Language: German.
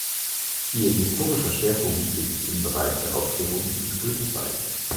Ihr historischer Schwerpunkt liegt im Bereich der Aufklärung und Goethezeit.